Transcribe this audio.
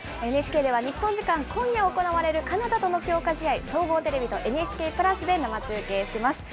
ＮＨＫでは日本時間今夜行われるカナダとの強化試合、総合テレビとＮＨＫプラスで生中継します。